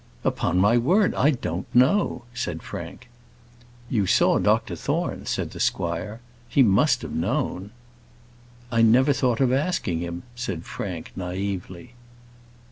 "Upon my word I don't know," said Frank. "You saw Dr Thorne," said the squire. "He must have known." "I never thought of asking him," said Frank, naïvely.